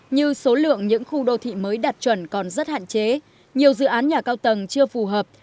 như số lượng những khu đô thị mới đạt chuẩn còn rất hạn chế nhiều dự án nhà cao tầng chưa phù hợp